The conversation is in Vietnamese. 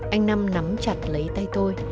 anh nam nắm chặt lấy tay tôi